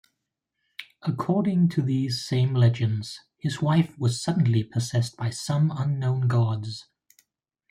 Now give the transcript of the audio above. According to these same legends, his wife was suddenly possessed by some unknown gods.